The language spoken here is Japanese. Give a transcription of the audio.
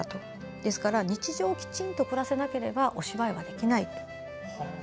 ですから日常をきちんと暮らせなければお芝居はできない。